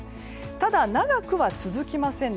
ただ、長くは続きません。